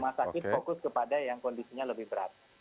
mungkin fokus kepada yang kondisinya lebih berat